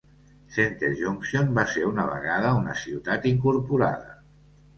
Center Junction va ser una vegada una ciutat incorporada.